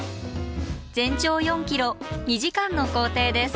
全長４ｋｍ２時間の行程です。